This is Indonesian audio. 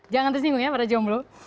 jangan tersinggung ya para jomblo